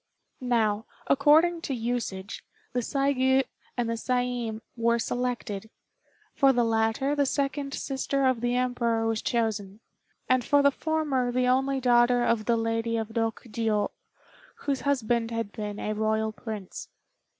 Now, according to usage, the Saigû and Saiin were selected; for the latter the second sister of the Emperor was chosen, and for the former the only daughter of the Lady of Rokjiô, whose husband had been a Royal Prince.